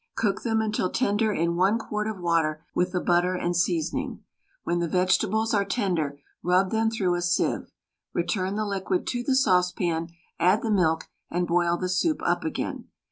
Cook them until tender in 1 quart of water with the butter and seasoning. When the vegetables are tender rub them through a sieve. Return the liquid to the saucepan, add the milk, and boil the soup up again.